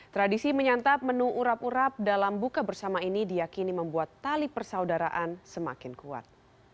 tradisi menyantap menu urap urap dalam buka bersama ini diakini membuat tali persaudaraan semakin kuat